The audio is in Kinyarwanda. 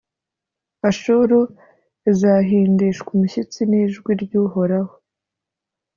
Ashuru izahindishwa umushyitsi n’ijwi ry’Uhoraho,